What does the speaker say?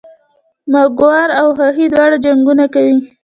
مږور او خواښې دواړه جنګونه کوي